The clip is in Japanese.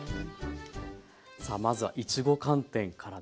さあまずはいちご寒天からですね。